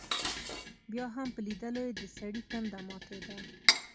بیا هم په لیدلو یې دسړي تنده ماتېده.